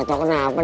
kabar waktu enak la